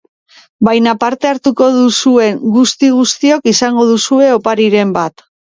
Baina parte hartuko duzuen guzti guztiok izango duzue opariren bat.